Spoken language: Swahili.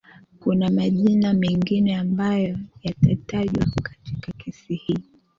kuna majina mengine ambayo yatatajwa katika kesi hii